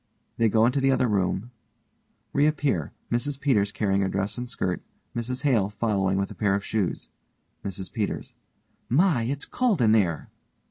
(They go in the other room; reappear, MRS PETERS carrying a dress and skirt, MRS HALE following with a pair of shoes.) MRS PETERS: My, it's cold in there.